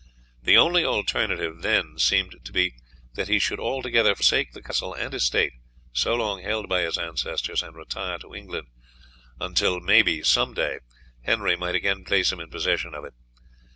The only alternative then seemed to be that he should altogether forsake the castle and estate so long held by his ancestors, and retire to England, until maybe some day Henry might again place him in possession of it.